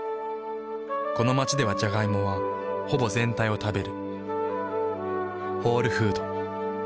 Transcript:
この街ではジャガイモはほぼ全体を食べる。